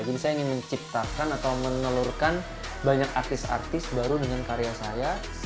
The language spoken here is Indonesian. jadi saya ingin menciptakan atau menelurkan banyak artis artis baru dengan karya saya